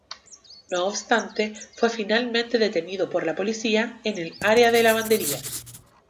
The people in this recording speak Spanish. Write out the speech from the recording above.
No obstante, fue finalmente detenido por la policía en el área de lavandería.